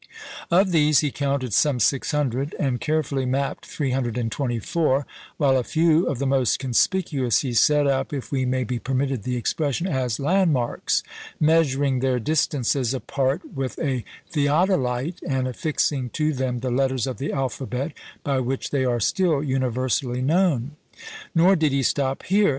Of these he counted some 600, and carefully mapped 324, while a few of the most conspicuous he set up (if we may be permitted the expression) as landmarks, measuring their distances apart with a theodolite, and affixing to them the letters of the alphabet, by which they are still universally known. Nor did he stop here.